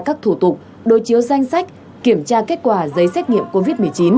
các thủ tục đối chiếu danh sách kiểm tra kết quả giấy xét nghiệm covid một mươi chín